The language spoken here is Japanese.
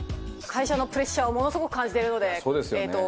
会社のプレッシャーをものすごく感じてるので。